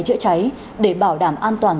chữa cháy để bảo đảm an toàn